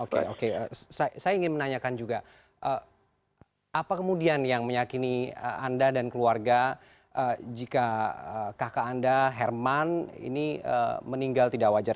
oke oke saya ingin menanyakan juga apa kemudian yang meyakini anda dan keluarga jika kakak anda herman ini meninggal tidak wajar